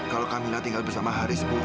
kalau camilla tinggal bersama haris bu